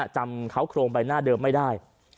จำเขาโครงใบหน้าเดิมไม่ได้